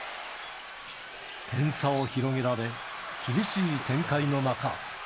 点差を広げられ、厳しい展開の中。